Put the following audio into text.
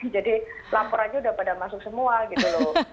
jadi lampor aja udah pada masuk semua gitu loh